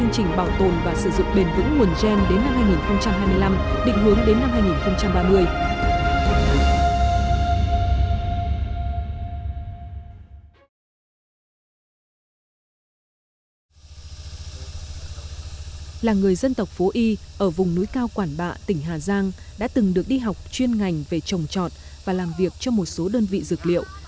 các tộc phố y ở vùng núi cao quản bạ tỉnh hà giang đã từng được đi học chuyên ngành về trồng trọt và làm việc cho một số đơn vị dược liệu